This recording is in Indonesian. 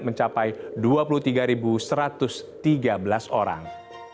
mencapai dua puluh tiga satu ratus tiga belas orang